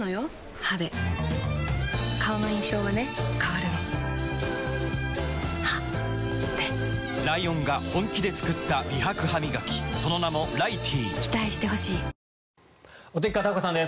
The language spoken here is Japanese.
歯で顔の印象はね変わるの歯でライオンが本気で作った美白ハミガキその名も「ライティー」お天気、片岡さんです。